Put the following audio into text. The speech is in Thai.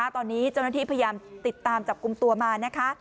ตอนนี้เจ้าหน้าที่พยายามติดตามจับกลุ่มตัวมานะคะ